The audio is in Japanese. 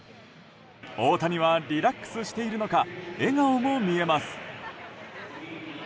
大谷はリラックスしているのか笑顔も見えます。